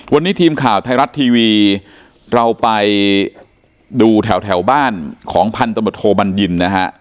วันนี้ทีมข่าวไทยรัฐทีวีเราไปดูแถวบ้านของพันธมตโทบัญญินนะฮะ